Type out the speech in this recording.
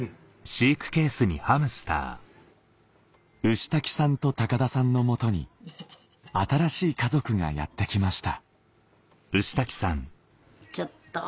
牛滝さんと高田さんのもとに新しい家族がやってきました